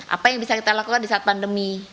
apa yang bisa kita lakukan di saat pandemi